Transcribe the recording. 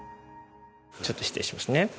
ちょっと失礼しますね。